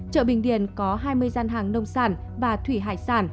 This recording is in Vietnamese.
chợ bình điền có hai mươi gian hàng nông sản và thủy hải sản